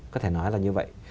có thể nói là như vậy